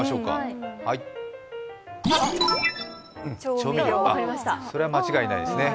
調味料、これは間違いないですね。